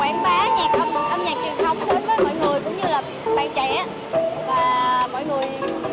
và em cũng rất là vui khi mà quảng bá nhạc âm nhạc truyền thống đến với mọi người